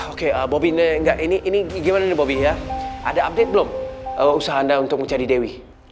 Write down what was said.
oke bobby enggak ini gimana nih bobi ya ada update belum usaha anda untuk mencari dewi